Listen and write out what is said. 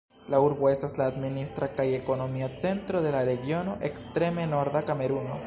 La urbo estas la administra kaj ekonomia centro de la regiono Ekstreme norda Kameruno.